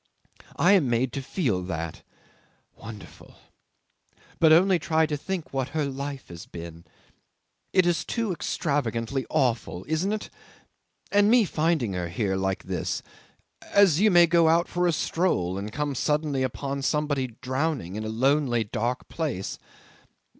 I am made to feel that. Wonderful! But only try to think what her life has been. It is too extravagantly awful! Isn't it? And me finding her here like this as you may go out for a stroll and come suddenly upon somebody drowning in a lonely dark place.